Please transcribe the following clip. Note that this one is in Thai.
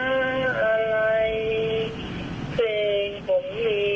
ทั้งสาวใหญ่สาวน้ำครึ่ง